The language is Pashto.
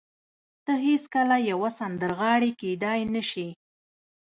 ته هېڅکله يوه سندرغاړې کېدای نه شې.